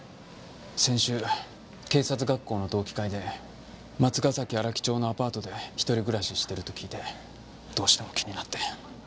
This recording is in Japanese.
先週警察学校の同期会で松ヶ崎荒木町のアパートでひとり暮らししてると聞いてどうしても気になって。